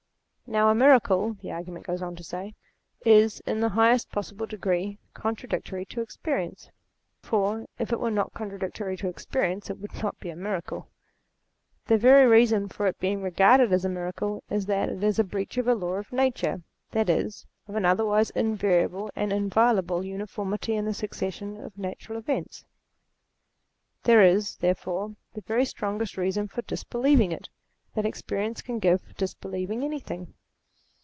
~Now a miracle (the argument goes on to say) is, in the highest possible degree, contradictory to experience : for if it were not contradictory to experience it would not be a miracle. The very reason for its being regarded as a miracle is that it is a breach of a law of nature, that is, of an otherwise invariable and inviolable uniformity in the succession of natural events. There is, therefore, the very strongest reason for disbelieving it, that experience can give for disbelieving anything.